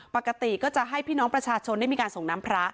ปกติก็จะให้พี่น้องประชาชนได้มีการส่งน้ำพระ